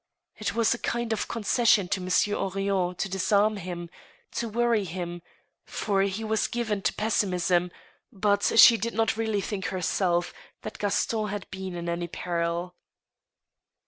It was a kind of con cession to Monsieur Henrion to disarm him, to worry him, for he was given to pessimism, but she did not really think herself that Gaston had been in any peril.